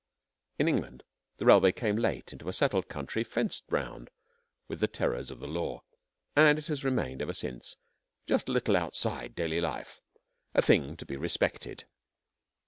In England the railway came late into a settled country fenced round with the terrors of the law, and it has remained ever since just a little outside daily life a thing to be respected.